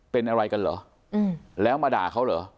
เป็นอะไรกันเหรอแล้วมาด่าเขาเหรอ